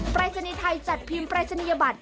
ปรายศนีย์ไทยจัดพิมพ์ปรายศนียบัตร